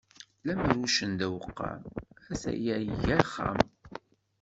Lemmer uccen d aweqqam, a-t-aya iga axxam.